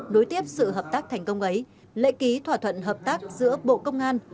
đối tiếp sự hợp tác thành công ấy lệ ký thỏa thuận hợp tác giữa bộ công an